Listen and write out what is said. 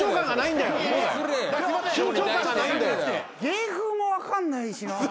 芸風も分かんないしなぁ。